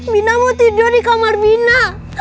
vina mau tidur di kamar vina